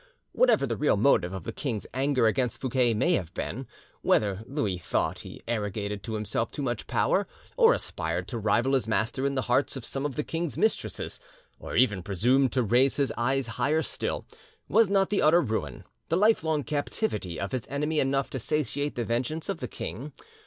Whatever the real motive of the king's anger against Fouquet may have been, whether Louis thought he arrogated to himself too much power, or aspired to rival his master in the hearts of some of the king's mistresses, or even presumed to raise his eyes higher still, was not the utter ruin, the lifelong captivity, of his enemy enough to satiate the vengeance of the king?